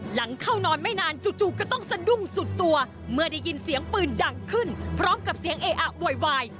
หลังเข้านอนไม่นานจู่ก็ต้องสะดุ้งสุดตัวเมื่อได้ยินเสียงปืนดังขึ้นพร้อมกับเสียงเออะโวยวาย